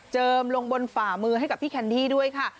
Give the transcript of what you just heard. ลงบนฝ่ามือให้กับพี่แคนดี้ด้วยค่ะ